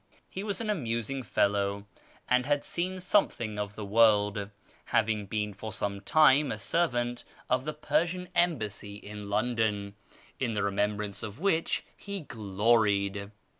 He was an amusing fellow, and had seen something of the world, haviDg been for some time a servant at the Persian Embassy in London, in the remembrance of which he gloried.